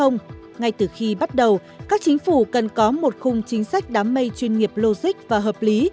ngay từ khi bắt đầu các chính phủ cần có một khung chính sách đám mây chuyên nghiệp logic và hợp lý